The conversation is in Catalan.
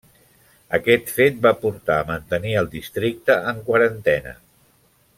Aquest fet va portar a mantenir el districte en quarantena.